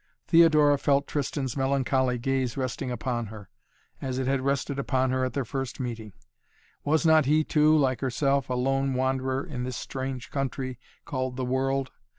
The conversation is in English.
Theodora felt Tristan's melancholy gaze resting upon her, as it had rested upon her at their first meeting. Was not he, too, like herself, a lone wanderer in this strange country called the world!